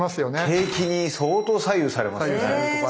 景気に相当左右されますね。